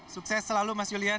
sukses selalu mas julian